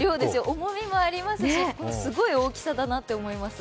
重みもありますし、すごい大きさだなと思います。